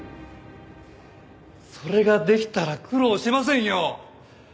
それができたら苦労しませんよ！